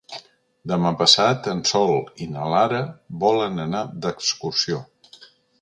Demà passat en Sol i na Lara volen anar d'excursió.